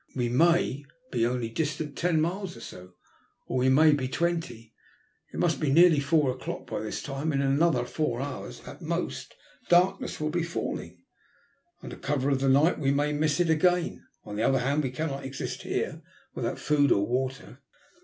We may be only distant ten miles or so, or we may be twenty. It mast be nearly four o'clock by this time, and in another four hours at most darkness will be falling; under cover of the night we may miss it again. On the other hand we cannot exist here without food or water.